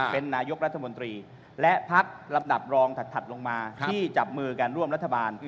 เป็นนายกรัฐมนตรีและพักลำดับรองถัดลงมาที่จับมือกันร่วมรัฐบาล